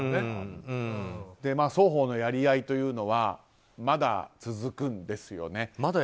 双方のやり合いというのはまだ続くんですよね。